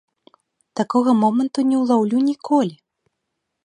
Такога моманту не ўлаўлю ніколі!